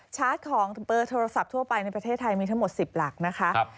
ชาร์จของเบอร์โทรศัพท์ทั่วไปในประเทศไทยมีทั้งหมด๑๐หลักนะคะ